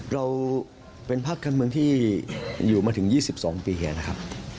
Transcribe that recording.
เราเป็นพักงานเมืองที่อยู่มาถึง๒๒ปีแหละ